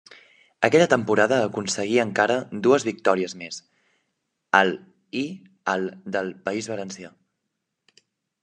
Aquella temporada aconseguí encara dues victòries més: al i al del País Valencià.